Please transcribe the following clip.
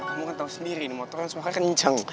kamu kan tau sendiri nih motornya semuanya kenceng